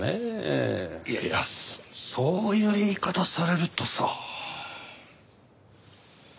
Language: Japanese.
いやいやそういう言い方されるとさ。